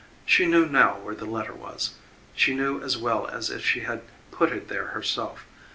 She knew now where the letter was she knew as well as if she had put it there herself.